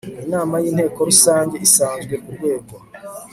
inama y inteko rusange isanzwe ku rwego